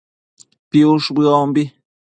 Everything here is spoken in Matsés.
piush bëombi